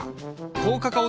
高カカオ